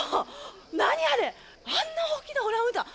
何あれ、あんな大きなオランウータン。